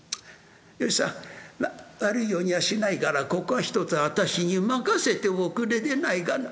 芳さんまっ悪いようにはしないからここはひとつ私に任せておくれでないかな」。